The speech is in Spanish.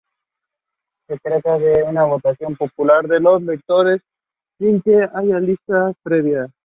Se trata de una votación popular de los lectores sin que haya listas previas.